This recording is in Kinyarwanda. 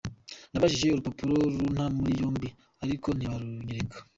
Nabajije urupapuro runta muri yombi ariko ntibarunyereka.